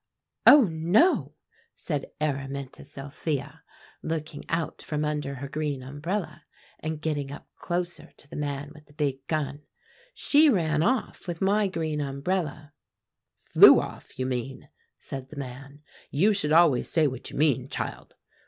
"'Oh, no!' said Araminta Sophia, looking out from under her green umbrella, and getting up closer to the man with the big gun; 'she ran off with my green umbrella.' "'Flew off, you mean,' said the man; 'you should always say what you mean, child.